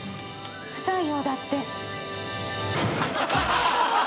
不採用だって。